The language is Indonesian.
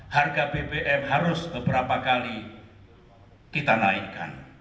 harga bpm harus beberapa kali kita naik